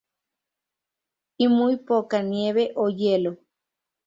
Y muy poca nieve o hielo.